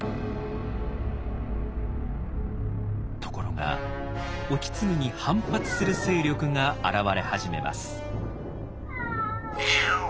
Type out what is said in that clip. ところが意次に反発する勢力が現れ始めます。